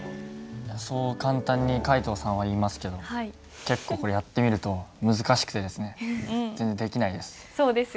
そう簡単に皆藤さんは言いますけど結構これやってみると難しくてですね全然できないです。